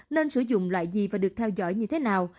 nên sử dụng loại gì và được theo dõi như thế nào